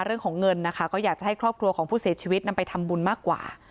เรื่องของเงินนะคะก็อยากจะให้ครอบครัวของผู้เสียชีวิตนำไปทำบุญมากกว่า